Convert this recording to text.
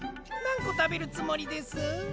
なんこたべるつもりです？